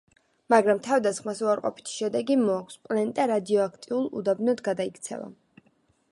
მაგრამ თავდასხმას უარყოფითი შედეგი მოაქვს: პლანეტა რადიოაქტიურ უდაბნოდ გადაიქცევა.